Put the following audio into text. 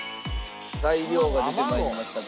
材料が出て参りました。